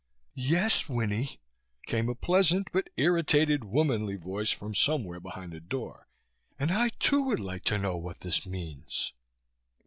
"Yes, Winnie," came a pleasant but irritated womanly voice from somewhere behind the doctor, "and I too would like to know what this means."